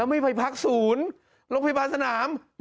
ไม่ไปพักศูนย์โรงพยาบาลสนาม